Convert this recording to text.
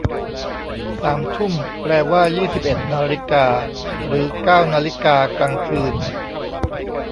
สามทุ่ม แปลว่ายี่สิบเอ็ดนาฬิกา หรือเก้านาฬิกากลางคืน